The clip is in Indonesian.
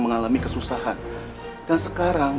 mengalami kesusahan dan sekarang